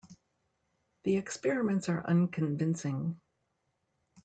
The experiments are unconvincing.